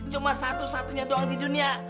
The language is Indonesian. cuma satu satunya doang di dunia